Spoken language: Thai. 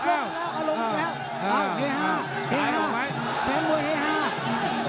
เอาเหี้ยหาเหี้ยหาฟังบนแห่งหงา